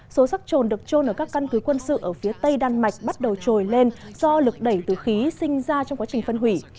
số sắc trồn được trôn ở các căn cứ quân sự ở phía tây đan mạch bắt đầu trồi lên do lực đẩy từ khí sinh ra trong quá trình phân hủy